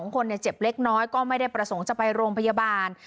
คนเจ็บเล็กน้อยก็ไม่ได้ประสงค์จะไปโรงพยาบาล